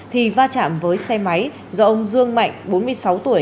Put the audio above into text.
thì va chạm với xe máy do ông dương mạnh bốn mươi sáu tuổi